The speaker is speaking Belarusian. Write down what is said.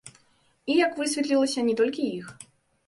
І, як высветлілася, не толькі іх.